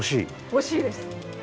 惜しいです。